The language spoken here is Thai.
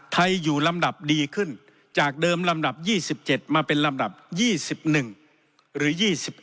อยู่ลำดับดีขึ้นจากเดิมลำดับ๒๗มาเป็นลำดับ๒๑หรือ๒๑